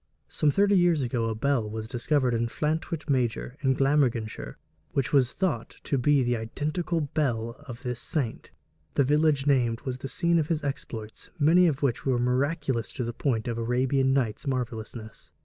' Some thirty years ago a bell was discovered at Llantwit Major, in Glamorganshire, which was thought to be the identical bell of this saint. The village named was the scene of his exploits, many of which were miraculous to the point of Arabian Nights marvelousness.